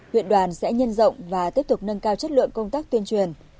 huyện đoàn sẽ nhân rộng và tiếp tục nâng cao chất lượng công tác tuyên truyền